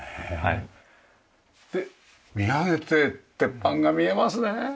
で見上げて鉄板が見えますね。